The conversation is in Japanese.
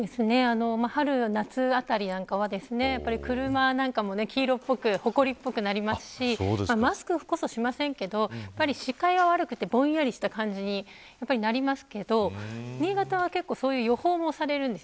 春夏あたりなんかは車なんかも黄色っぽくほこりっぽくなりますしマスクこそしませんけど視界が悪くて、ぼんやりした感じになりますけど新潟は結構そういう予報もされるんです。